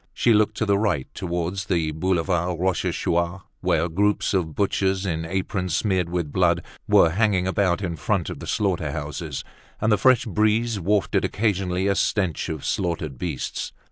She looked to the right, towards the Boulevard Rochechouart, where groups of butchers, in aprons smeared with blood, were hanging about in front of the slaughter houses; and the fresh breeze wafted occasionally a stench of slaughtered beasts.